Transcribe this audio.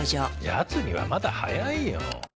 やつにはまだ早いよ。